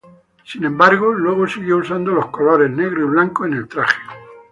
Sin embargo, luego siguió usando los colores negro y blanco en el traje.